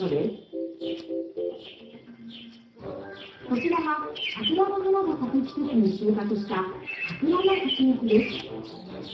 こちらは桜の花が咲く季節に収穫したさくらのはちみつです。